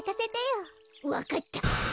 わかった。